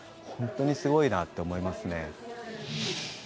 本当にすごいと思います。